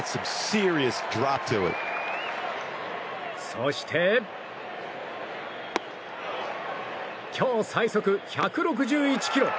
そして、今日最速１６１キロ。